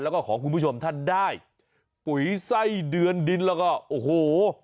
แล้วก็ของคุณผู้ชมท่านได้ปุ๋ยไส้เดือนดินแล้วก็โอ้โห